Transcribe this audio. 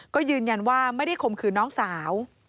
ก็ยืนยันว่าไม่ได้ข่มขืนน้องสาว